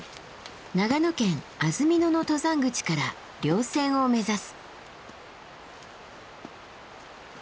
長野県安曇野の登山口から稜線を目指す。